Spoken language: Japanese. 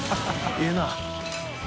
ええな。